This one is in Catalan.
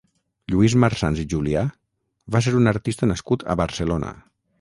Lluís Marsans i Julià va ser un artista nascut a Barcelona.